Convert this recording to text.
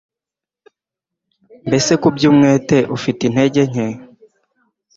Mbese ku by'umwete ufite intege nke?